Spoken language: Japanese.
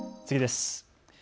次です。